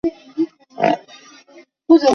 大成东路站位于奉化区岳林街道。